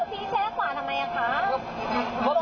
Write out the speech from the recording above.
พี่แช่ขวาทำไมอะคะ